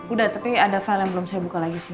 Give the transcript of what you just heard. udah tapi ada file yang belum saya buka lagi sih